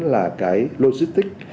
là cái logistic